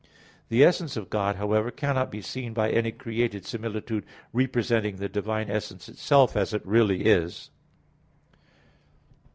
The essence of God, however, cannot be seen by any created similitude representing the divine essence itself as it really is.